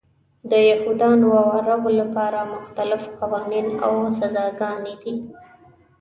د یهودانو او عربو لپاره مختلف قوانین او سزاګانې دي.